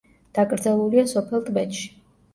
დაკრძალულია სოფელ ტბეთში.